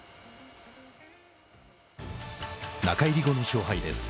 中入り後の勝敗です。